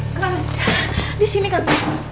gak ada di sini kan